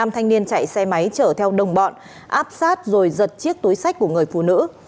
năm thanh niên chạy xe máy chở theo đồng bọn áp sát rồi giật chiếc túi sách của người phụ nữ